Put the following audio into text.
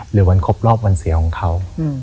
หรือวันครบรอบวันเสียของเขา